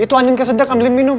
itu anin kesedak ambilin minum